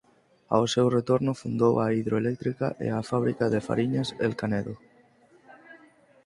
Ao seu retorno fundou a Hidroeléctrica e a fábrica de fariñas El Canedo.